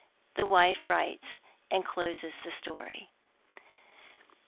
THE WIFE WRITES, AND CLOSES THE STORY.